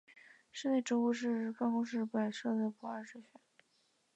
室内植物是办公室摆设的不二之选。